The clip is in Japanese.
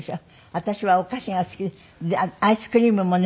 私はお菓子が好きでアイスクリームもね